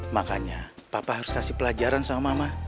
makanya papa harus kasih pelajaran sama mama